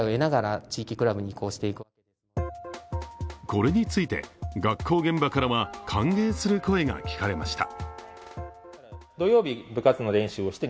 これについて学校現場からは歓迎する声が聞かれました。